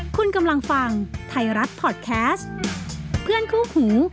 คุณกำลังฟังไทยรัฐพอร์ตแคสต์เพื่อนคู่หู